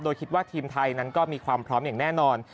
โดยคิดว่าทีมไทยนั้นก็มีความพร้อมอย่างแน่นอน